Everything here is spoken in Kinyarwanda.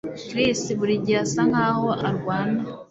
Chris buri gihe asa nkaho arwana